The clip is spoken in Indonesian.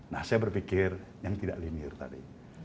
nah saya berpikir yang tidak linier tadi